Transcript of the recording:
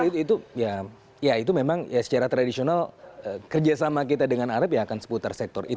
betul itu ya itu memang secara tradisional kerja sama kita dengan arab ya akan seputar sektor itu